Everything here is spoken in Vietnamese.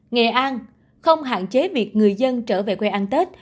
nghệ an không hạn chế việc người dân trở về quê ăn tết